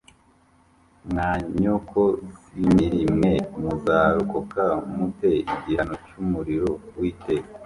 mwanyoko z'impiri mwe, muzarokoka mute igihano cy'umuriro w'iteka ?"